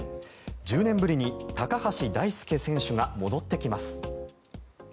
１０年ぶりに高橋大輔選手が戻ってきます。